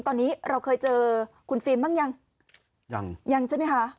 ตอนนี้เราเคยเจอคุณฟิล์มบ้างยังยังใช่ไหมคะ